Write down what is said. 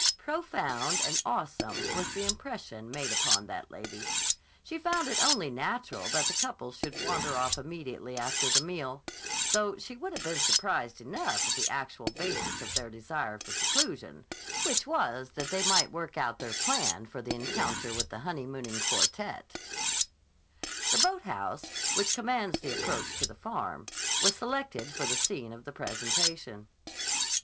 Profound and awesome was the impression made upon that lady. She found it only natural that the couple should wander off immediately after the meal; though she would have been surprised enough at the actual basis of their desire for seclusion, which was that they might work out their plan for the encounter with the honeymooning quartette. The boathouse, which commands the approach to the Farm, was selected for the scene of the presentation.